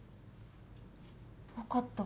分かった。